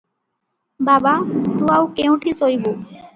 "ବାବା, ତୁ ଆଉ କେଉଁଠି ଶୋଇବୁ?